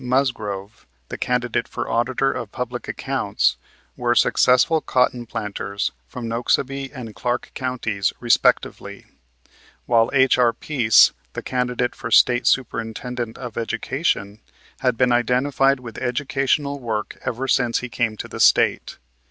Musgrove, the candidate for Auditor of Public Accounts, were successful cotton planters from Noxubee and Clarke counties respectively; while H.R. Pease, the candidate for State Superintendent of Education, had been identified with educational work ever since he came to the State.